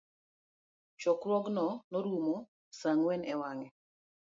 Chokruogno norumo sa ang'wen e wange